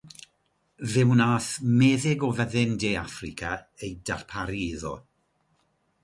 Fe wnaeth meddyg o Fyddin De Affrica eu darparu iddo.